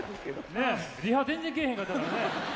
ねっリハ全然来ぃへんかったからね。